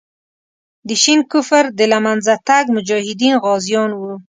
د شین کفر د له منځه تګ مجاهدین غازیان وو.